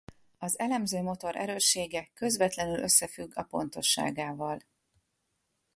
Az elemző motor erőssége közvetlenül összefügg a pontosságával.